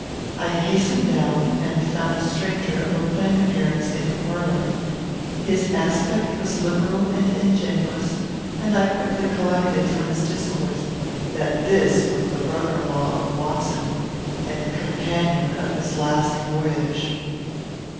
I hastened down, and found a stranger, of a plain appearance, in the parlour. His aspect was liberal and ingenuous; and I quickly collected, from his discourse, that this was the brother in law of Watson, and the companion of his last voyage.